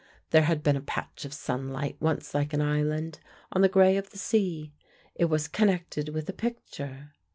There had been a patch of sunlight once like an island, on the gray of the sea ... it was connected with a picture